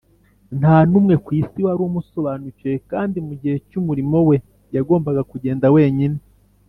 . Nta n’umwe ku isi wari umusobanukiwe, kandi mu gihe cy’umurimo we yagombaga kugenda wenyine